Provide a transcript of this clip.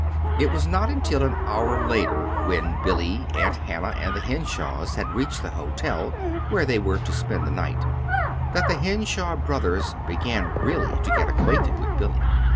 It was not until an hour later, when Billy, Aunt Hannah, and the Henshaws had reached the hotel where they were to spend the night, that the Henshaw brothers began really to get acquainted with Billy.